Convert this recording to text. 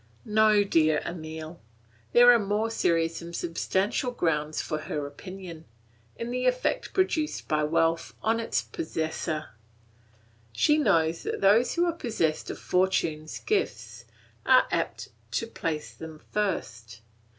No, dear Emile; there are more serious and substantial grounds for her opinion, in the effect produced by wealth on its possessor. She knows that those who are possessed of fortune's gifts are apt to place them first.